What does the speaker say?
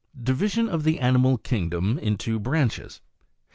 DIVISION OF THE ANIMAL KINGDOM INTO BRANCHES.